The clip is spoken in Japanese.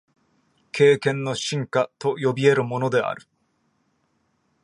経験の深化と呼び得るものである。